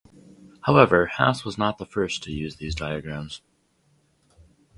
However, Hasse was not the first to use these diagrams.